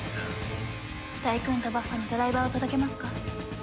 タイクーンとバッファにドライバーを届けますか？